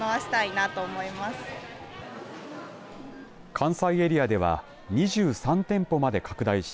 関西エリアでは２３店舗まで拡大し